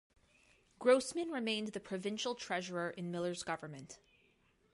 Grossman remained the Provincial Treasurer in Miller's government.